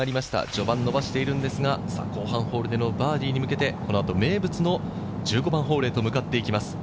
序盤、伸ばしているんですが、後半ホールでのバーディーに向けて、このあと名物の１５番ホールへと向かっていきます。